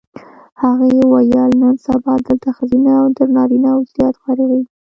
هغې وویل نن سبا دلته ښځینه تر نارینه و زیات فارغېږي.